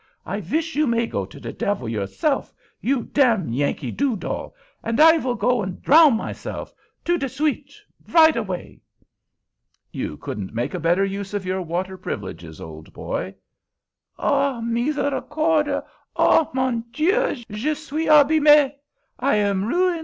I vish you may go to de devil yourself you dem yankee doo dell, and I vill go and drown myself, tout de suite, right avay." "You couldn't make a better use of your water privileges, old boy!" "Ah, miséricorde! Ah, mon dieu, je suis abîmé. I am ruin!